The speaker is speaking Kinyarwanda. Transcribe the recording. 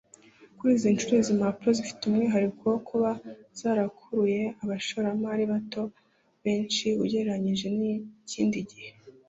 Kuri iyi nshuro izi mpapuro zifite umwihariko wo kuba zarakuruye abashoramari bato benshi ugereranyije n’ikindi gihe